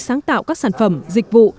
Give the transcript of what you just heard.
sáng tạo các sản phẩm dịch vụ